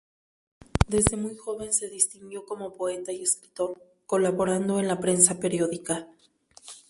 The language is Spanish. Desde muy joven se distinguió como poeta y escritor, colaborando en la prensa periódica.